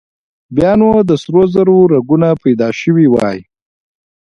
بيا نو د سرو زرو رګونه پيدا شوي وای.